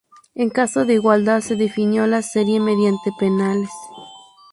En caso de igualdad, se definió la serie mediante penales.